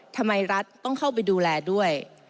รัฐต้องเข้าไปดูแลด้วย